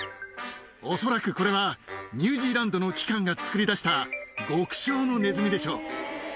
恐らく、これはニュージーランドの機関が作り出した、極小のネズミでしょう。